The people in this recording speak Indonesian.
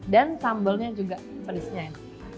dan sambelnya juga pedesnya ya